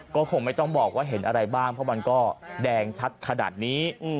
ก็คงไม่ต้องบอกว่าเห็นอะไรบ้างเพราะมันก็แดงชัดขนาดนี้